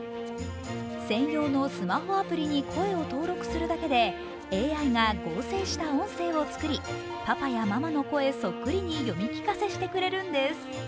専用のスマホアプリに声を登録するだけでＡＩが合成した音声を作りパパやママの声そっくりに読み聞かせしてくれるんです。